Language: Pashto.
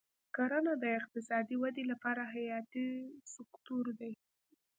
کرنه د اقتصادي ودې لپاره حیاتي سکتور دی.